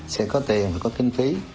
sẽ có tiền và có kinh phí